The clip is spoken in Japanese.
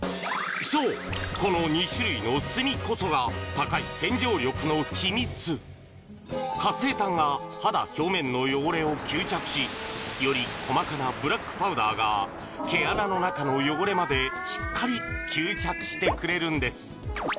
そうこの２種類の炭こそが高い洗浄力の秘密活性炭が肌表面の汚れを吸着しより細かなブラックパウダーが毛穴の中の汚れまでしっかり吸着してくれるんです